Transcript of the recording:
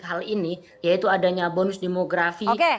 hal ini yaitu adanya bonus demografi